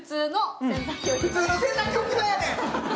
普通の洗濯機置き場やねん。